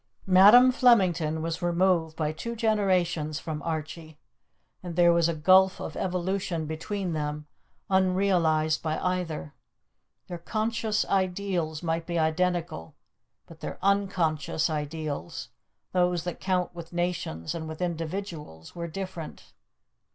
Madam Flemington was removed by two generations from Archie, and there was a gulf of evolution between them, unrealized by either. Their conscious ideals might be identical; but their unconscious ideals, those that count with nations and with individuals, were different.